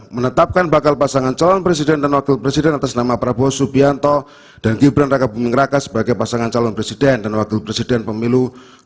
menetapkan bakal pasangan calon presiden dan wakil presiden atas nama prabowo subianto dan gibran raka buming raka sebagai pasangan calon presiden dan wakil presiden pemilu dua ribu dua puluh